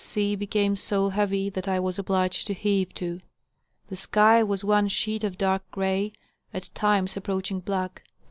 sea became so heavy that I was obliged to heave to. The sky was one sheet of dark gray, at times approaching black.